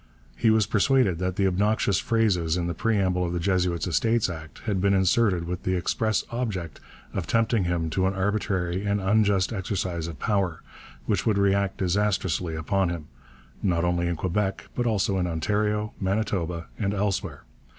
He was persuaded that the obnoxious phrases in the preamble of the Jesuits' Estates Act had been inserted with the express object of tempting him to an arbitrary and unjust exercise of power which would react disastrously upon him, not only in Quebec, but also in Ontario, Manitoba, and elsewhere.